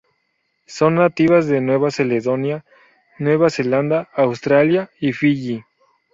Son nativas de Nueva Caledonia, Nueva Zelanda, Australia y Fiyi.